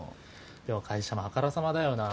でも会社もあからさまだよな。